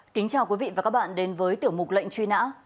kính chào quý vị và các bạn đến với tiểu mục lệnh truy nã